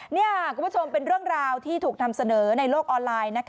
นี่คุณผู้ชมเป็นเรื่องราวที่ถูกนำเสนอในโลกออนไลน์